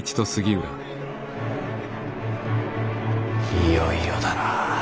いよいよだな。